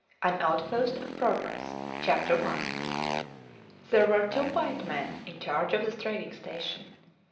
AN OUTPOST OF PROGRESS I There were two white men in charge of the trading station.